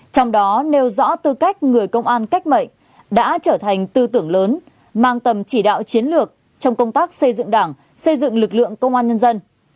trong đó nêu rõ tư cách người công an cách mệnh đã trở thành tư tưởng lớn mang tầm chỉ đạo chiến lược trong công tác xây dựng đảng xây dựng lực lượng công an nhân dân